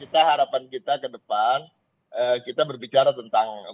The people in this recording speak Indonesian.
kita harapan kita ke depan kita berbicara tentang